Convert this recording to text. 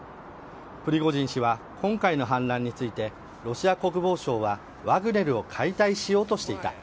プリゴジン氏は今回の反乱についてロシア国防省は、ワグネルを解体しようとしていた。